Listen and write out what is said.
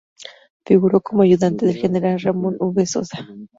Figuró como ayudante del general Ramón V. Sosa.